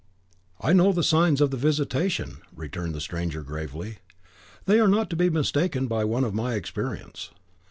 "I know the signs of the visitation," returned the stranger, gravely; "they are not to be mistaken by one of my experience."